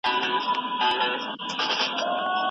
کارخانې څنګه د تولید لړۍ همږغي کوي؟